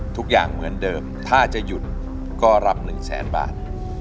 ทุกอย่างเหมือนเดิมถ้าจะหยุดก็รับ๑แสนบาท